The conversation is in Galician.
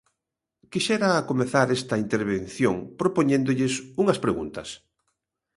Quixera comezar esta intervención propoñéndolles unhas preguntas.